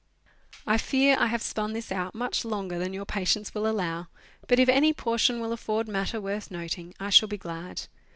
I fear I have spun this out much longer than your patience will allow, but if any portion will afford matter worth noting I shall be glad.